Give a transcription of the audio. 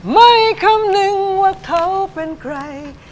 ไม่คำนึงว่าเขาเป็นใคร